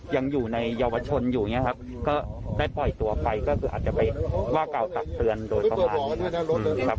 ยังอยู่ในเยาวชนอยู่อย่างนี้ครับก็ได้ปล่อยตัวไปก็คืออาจจะไปว่ากล่าวตักเตือนโดยประมาณครับ